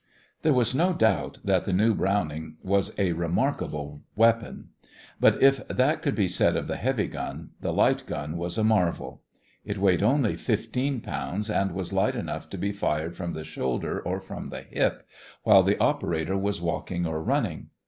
There was no doubt that the new Browning was a remarkable weapon. But if that could be said of the heavy gun, the light gun was a marvel. It weighed only fifteen pounds and was light enough to be fired from the shoulder or from the hip, while the operator was walking or running.